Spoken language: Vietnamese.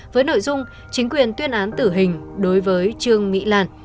với nội dung chính quyền tuyên án tử hình đối với trường mỹ làn